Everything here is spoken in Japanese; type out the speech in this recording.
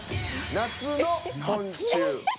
「夏の昆虫」。